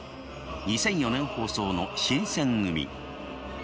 ２００４年放送の「新選組！」。